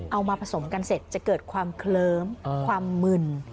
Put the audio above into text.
เอามาผสมกันเสร็จจะเกิดความเคลิ้มความมึน